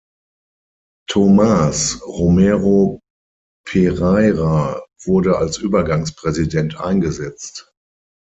Tomás Romero Pereira wurde als Übergangspräsident eingesetzt.